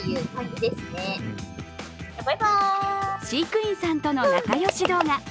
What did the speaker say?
飼育員さんとの仲良し動画。